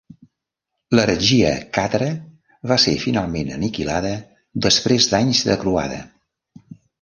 L'heretgia càtara va ser finalment aniquilada després d'anys de croada.